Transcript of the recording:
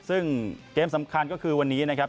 ซึ่งเกมสำคัญก็คือวันนี้นะครับ